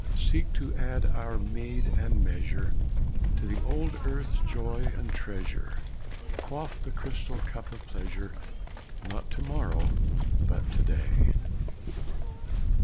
Seek to add our meed and measure To the old Earth's joy and treasure, Quaff the crystal cup of pleasure, Not to morrow, but to day.